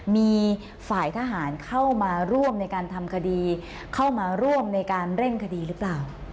มีฝ่ายทหารเข้ามาร่วมในการทำคดีเข้ามาร่วมในการเร่งคดีหรือเปล่า